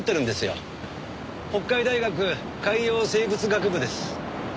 北海大学海洋生物学部です。